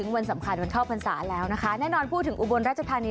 วันสำคัญวันเข้าพรรษาแล้วนะคะแน่นอนพูดถึงอุบลราชธานี